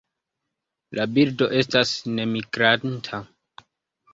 La birdo estas nemigranta.